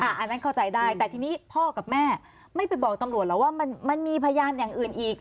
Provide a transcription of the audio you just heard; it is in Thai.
อันนั้นเข้าใจได้แต่ทีนี้พ่อกับแม่ไม่ไปบอกตำรวจหรอกว่ามันมีพยานอย่างอื่นอีก